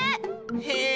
へえ！